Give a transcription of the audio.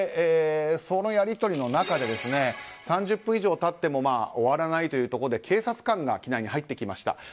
そのやり取りの中で３０分以上経っても終わらないというところで警察官が機内に入ってきました。